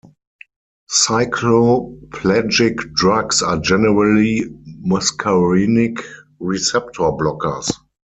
Cycloplegic drugs are generally muscarinic receptor blockers.